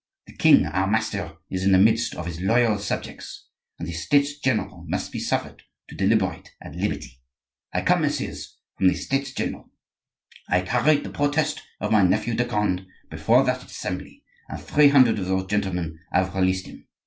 The king, our master, is in the midst of his loyal subjects, and the States general must be suffered to deliberate at liberty. I come, messieurs, from the States general. I carried the protest of my nephew de Conde before that assembly, and three hundred of those gentlemen have released him.